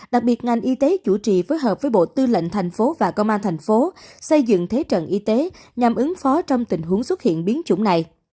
đặc biệt ngành y tế chủ trì phối hợp với bộ tư lệnh tp và công an tp xây dựng thế trận y tế nhằm ứng phó trong tình huống xuất hiện biến chủng này